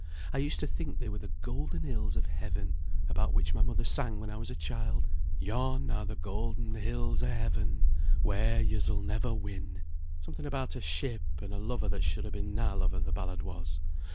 I used to think they were the golden hills of heaven, about which my mother sang when I was a child, 'Yon are the golden hills o' heaven, Where ye sall never win.' Something about a ship and a lover that should hae been na lover, the ballad was.